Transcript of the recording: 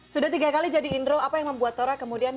sudah tiga kali jadi indro apa yang membuat tora kemudian